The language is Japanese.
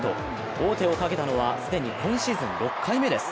王手をかけたのは既に今シーズン６回目です。